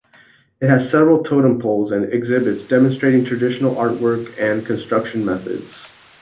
It has several totem poles and exhibits demonstrating traditional artwork and construction methods.